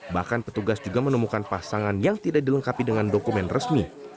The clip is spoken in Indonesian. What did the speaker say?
bahkan petugas juga menemukan pasangan yang tidak dilengkapi dengan dokumen resmi